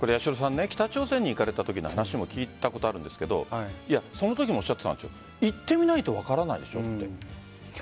北朝鮮に行かれたときの話を聞いたことあるんですけどそのときにおっしゃっていたのは行ってみないと分からないでしょと。